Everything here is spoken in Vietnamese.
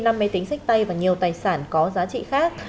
năm máy tính sách tay và nhiều tài sản có giá trị khác